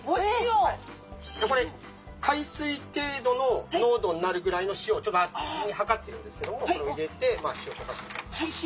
これ海水程度の濃度になるぐらいの塩をちょっと事前に量ってるんですけどこれを入れて。